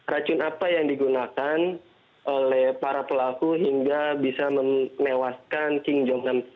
racun apa yang digunakan oleh para pelaku hingga bisa menewaskan king jong enam